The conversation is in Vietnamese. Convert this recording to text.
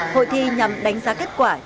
hội thi nhằm đánh giá kết quả